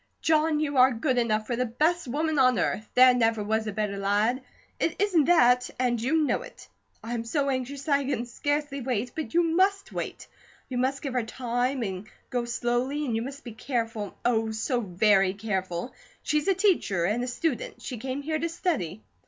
"John, you are good enough for the best woman on earth. There never was a better lad, it isn't that, and you know it. I am so anxious that I can scarcely wait; but you must wait. You must give her time and go slowly, and you must be careful, oh, so very careful! She's a teacher and a student; she came here to study."